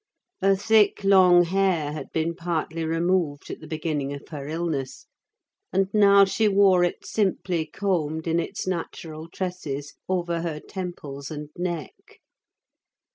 Her thick, long hair had been partly removed at the beginning of her illness, and now she wore it simply combed in its natural tresses over her temples and neck.